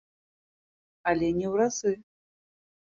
Але не ў разы.